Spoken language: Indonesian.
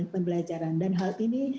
pembelajaran dan hal ini